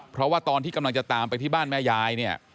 เพราะว่าตอนที่กำลังจะตามไปที่บ้านแม่ยายเนี่ย